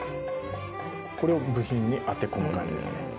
これを部品に当て込む感じですね。